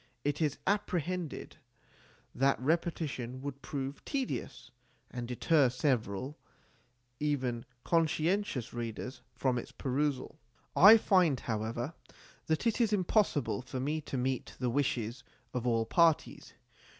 It is apprehended that repetition would prove tedious, and deter several even con scientious readers from its perusal. I find, however, that it is impossible for me to meet the wishes of all parties.